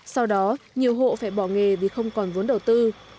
sau đó nhiều hộ phải bỏ nghề vì không còn vốn đầu tư